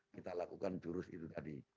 kita lakukan jurus itu tadi